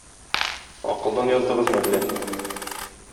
Акылдан яздыгызмы әллә?